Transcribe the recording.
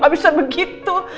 gak bisa begitu